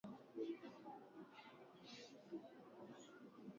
Kamati hiyo iliamua kutumia lahaja ya Kiunguja kuwa